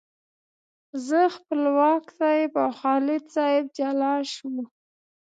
زه، خپلواک صاحب او خالد صاحب جلا شوو.